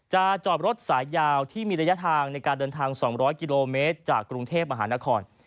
จอดรถสายยาวที่มีระยะทางในการเดินทาง๒๐๐กิโลเมตรจากกรุงเทพมหานคร